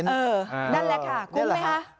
นั่นแหละค่ะคุ้มไหมคะ